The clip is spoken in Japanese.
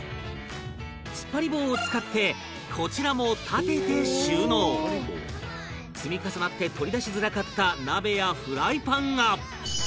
突っ張り棒を使ってこちらも立てて収納積み重なって取り出しづらかった鍋やフライパンが